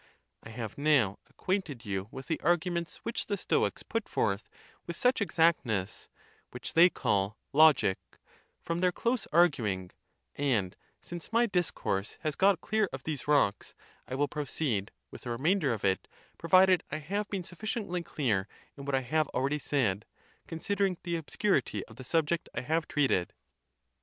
I have now acquainted you with the arguments which the Stoics put forth with such exactness; which they call logic, from their close arguing: and since my discourse has got clear of these rocks, I will proceed with the remainder of it, provided I have been sufficiently clear in what I have al ON OTHER PERTURBATIONS OF THE MIND. 141 ready said, considering the obscurity of the subject I have treated.